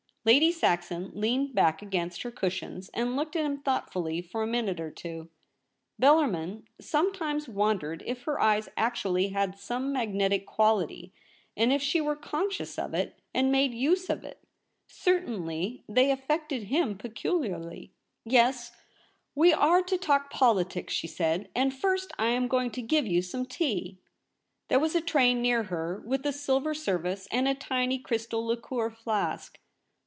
* Lady Saxon leaned back against her cushions, and looked at him thoughtfully for a minute or two. Bellarmin sometimes wondered if her eyes actually had some LITER A SCRIPT A. 221 magnetic quality, and if she were conscious of it, and made use of it. Certainly they affected him peculiarly. ' Yes, we are to talk politics,' she said ; 'and first I am going to give you some tea.' There was a tray near her, with a silver service, and a tiny crystal liqueur flask.